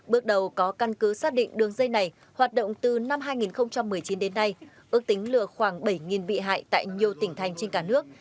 bước đầu có căn cứ xác định đường dây này hoạt động từ năm hai nghìn một mươi chín đến nay ước tính lừa khoảng bảy bị hại tại nhiều tỉnh thành trên cả nước